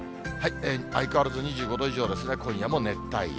相変わらず２５度以上ですね、今夜も熱帯夜。